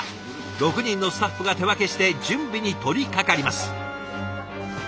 ６人のスタッフが手分けして準備に取りかかります。